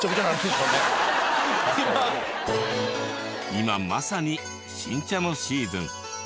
今まさに新茶のシーズン。